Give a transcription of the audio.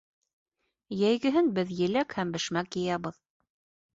Йәйгеһен беҙ еләк һәм бәшмәк йыябыҙ